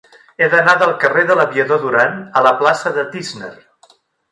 He d'anar del carrer de l'Aviador Durán a la plaça de Tísner.